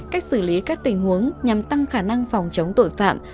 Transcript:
cách xử lý các tình huống nhằm tăng khả năng phòng chống tội phạm